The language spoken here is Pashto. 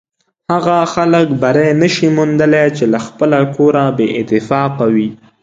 هغه خلک بری نشي موندلی چې له خپله کوره بې اتفاقه وي.